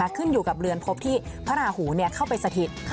ขึ้นอยู่กับเรือนพบที่พระราหูเข้าไปสถิต